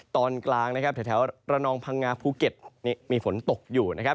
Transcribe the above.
ตอนกลางนะครับแถวระนองพังงาภูเก็ตมีฝนตกอยู่นะครับ